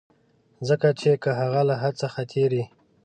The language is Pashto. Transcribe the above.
ځکه چي که هغه له حد څخه تېری.